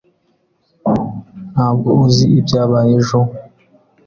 Ntabwo uzi ibyabaye ejo?